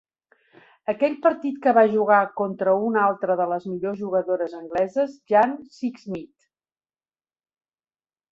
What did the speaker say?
Aquell partit que va jugar contra una altra de les millors jugadores angleses, Jane Sixsmith.